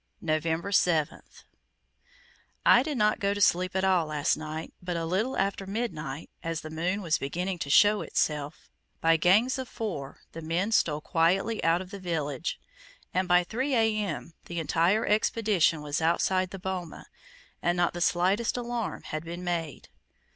November 7th. I did not go to sleep at all last night, but a little after midnight, as the moon was beginning to show itself, by gangs of four, the men stole quietly out of the village; and by 3 A.M. the entire Expedition was outside the boma, and not the slightest alarm had been made.